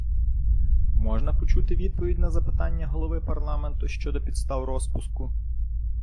Можна почути відповідь на запитання Голови парламенту щодо підстав розпуску?